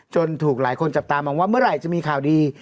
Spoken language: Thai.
ถูกหลายคนจับตามองว่าเมื่อไหร่จะมีข่าวดี